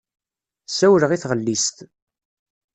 Ssawleɣ i tɣellist.